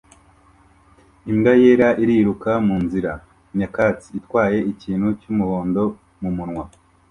imbwa yera iriruka munzira nyakatsi itwaye ikintu cyumuhondo mumunwa